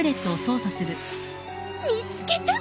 見つけた。